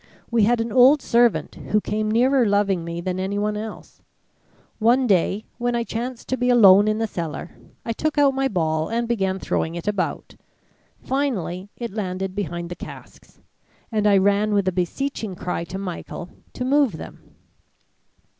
We had an old servant who came nearer loving me than anyone else. One day when I chanced to be alone in the cellar, I took out my ball and began throwing it about. Finally it landed behind the casks, and I ran with a beseeching cry to Michael, to move them.